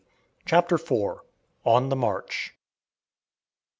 CHAPTER IV. ON THE MARCH.